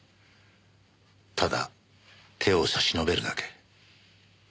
ただ手を差し伸べるだけ。